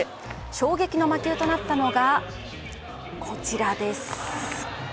衝撃の魔球となったのが、こちらです。